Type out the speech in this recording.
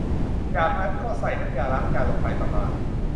จากนั้นก็ใส่น้ำยาล้างจานลงไปประมาณ